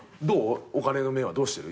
お金の面はどうしてる？